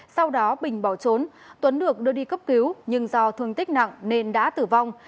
sau đó bình bỏ trốn tuấn được đưa đi cấp cứu nhưng do thương tích nặng nên đã tử vong